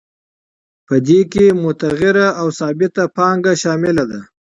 په دې کې متغیره او ثابته پانګه شامله ده